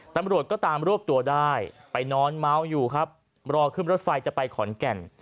ตำรวจก็ตามรวบตัวได้ไปนอนเมาอยู่ครับรอขึ้นรถไฟจะไปขอนแก่น